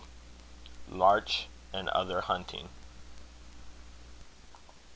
LARCH AND OTHER HUNTING.